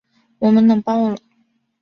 我们冷爆了